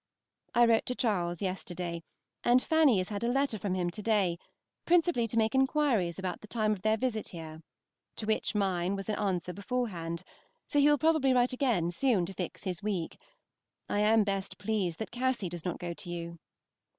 I wrote to Charles yesterday, and Fanny has had a letter from him to day, principally to make inquiries about the time of their visit here, to which mine was an answer beforehand; so he will probably write again soon to fix his week. I am best pleased that Cassy does not go to you.